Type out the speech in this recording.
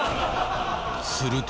すると